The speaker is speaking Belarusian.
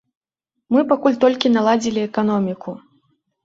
Мы пакуль толькі наладзілі эканоміку.